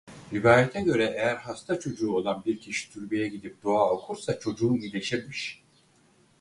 Rivayete göre eğer hasta çocuğu olan bir kişi türbeye gidip dua okursa çocuğu iyileşirmiş.